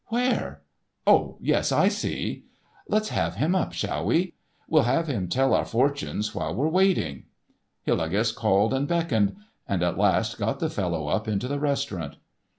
"Where? Oh, yes, I see." "Let's have him up. Shall we? We'll have him tell our fortunes while we're waiting." Hillegas called and beckoned, and at last got the fellow up into the restaurant.